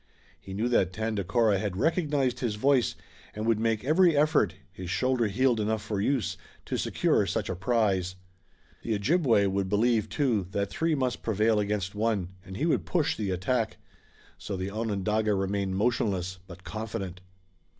He knew that Tandakora had recognized his voice, and would make every effort, his shoulder healed enough for use, to secure such a prize. The Ojibway would believe, too, that three must prevail against one, and he would push the attack. So the Onondaga remained motionless, but confident.